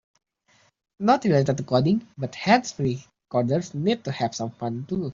Not related to coding, but hands-free coders need to have some fun too.